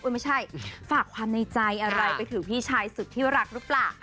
ไม่ใช่ฝากความในใจอะไรไปถึงพี่ชายสุดที่รักหรือเปล่า